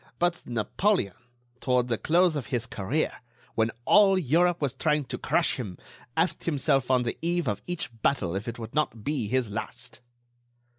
But Napoleon, toward the close of his career, when all Europe was trying to crush him, asked himself on the eve of each battle if it would not be his last."